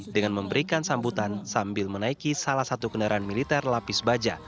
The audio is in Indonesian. dengan memberikan sambutan sambil menaiki salah satu kendaraan militer lapis baja